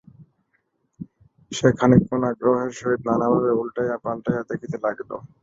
সে খানিকক্ষণ আগ্রহের সহিত নানাভাবে উলটাইয়া পালটাইয়া দেখিতে লাগিল।